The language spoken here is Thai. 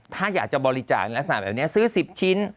ถ้าอยากจะบริจาคลักษณะแบบนี้ซื้อ๑๐ชิ้น